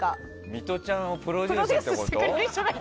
ミトちゃんをプロデュースするってこと？